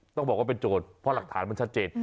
ต้องบอกว่าเป็นโจทย์เพราะหลักฐานมันชัดเจน